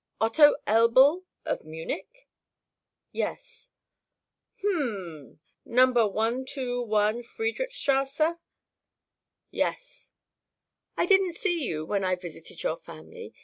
"Otto Elbl of Munich?" "Yes." "H m. Number 121 Friedrichstrasse?" "Yes." "I didn't see you when I visited your family.